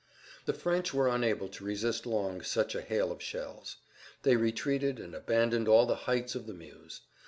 [Pg 43]The French were unable to resist long such a hail of shells. They retreated and abandoned all the heights of the Meuse.